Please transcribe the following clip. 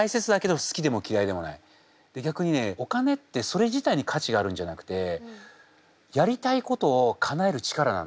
私は逆にねお金ってそれ自体に価値があるんじゃなくてやりたいことをかなえる力なんだと思うんです。